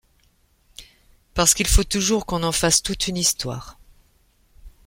Parce qu’il faut toujours qu’on en fasse toute une histoire.